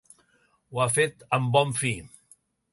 Ho ha fet amb bon fi.